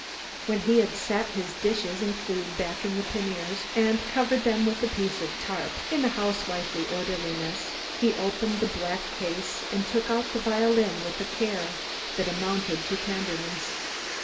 When he had set his dishes and food back in the paniers and covered them with a piece of "tarp," in housewifely orderliness, he opened the black case and took out the violin with a care that amounted to tenderness.